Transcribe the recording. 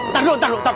tahan dulu tahan